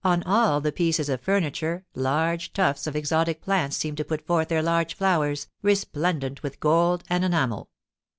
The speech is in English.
On all the pieces of furniture large tufts of exotic plants seemed to put forth their large flowers, resplendent with gold and enamel.